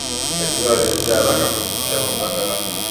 Waingereza waliendelea haraka kuhakikisha mamlaka yao